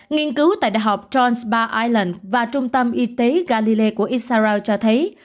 nghiên cứu tại đại học johns bar island và trung tâm y tế galileo của israel cho thấy